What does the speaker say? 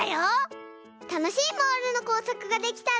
たのしいモールのこうさくができたら。